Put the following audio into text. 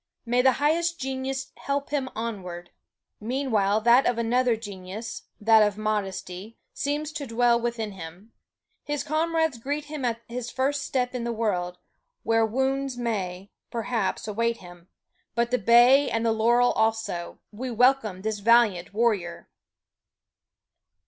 May the Highest Genius help him onward! Meanwhile another genius that of modesty seems to dwell within him. His comrades greet him at his first step in the world, where wounds may, perhaps, await him, but the bay and the laurel also; we welcome this valiant warrior!